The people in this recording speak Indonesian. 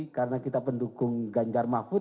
jadi karena kita pendukung ganjar mahfud